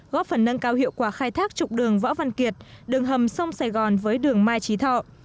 góp phần nâng cao hiệu quả khai thác trục đường võ văn kiệt đường hầm sông sài gòn với đường mai trí thọ